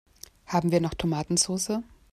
Haben wir noch Tomatensoße?